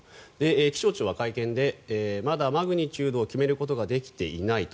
気象庁は会見でまだマグニチュードを決めることができていないと。